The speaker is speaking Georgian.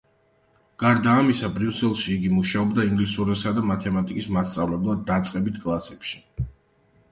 გარდა ამისა, ბრიუსელში იგი მუშაობდა ინგლისურისა და მათემატიკის მასწავლებლად დაწყებით კლასებში.